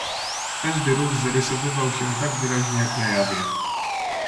"Każdy ruch zarysowywał się tak wyraźnie, jak na jawie."